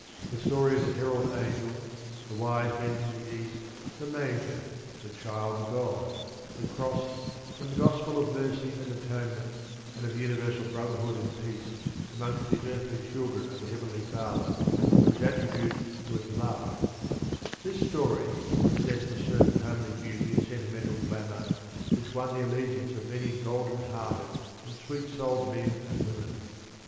The story of the herald angels, the wise men from the east, the manger, the child God, the cross, and the gospel of mercy and atonement, and of universal brotherhood and peace amongst the earthly children of a Heavenly Father, whose attribute was love this story, possessed a certain homely beauty and sentimental glamour which won the allegiance of many golden hearted and sweet souled men and women.